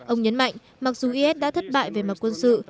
ông nhấn mạnh mặc dù is đã thất bại về mặt quân sự